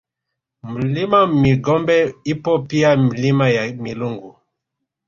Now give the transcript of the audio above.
Mlima Migombe ipo pia Milima ya Milungu